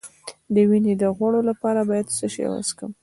د وینې د غوړ لپاره باید څه شی وڅښم؟